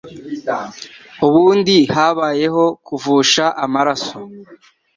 ubundi habayeho kuvusha amaraso.